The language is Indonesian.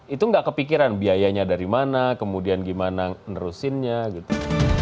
itu gak kepikiran biayanya dari mana kemudian gimana nerusinnya gitu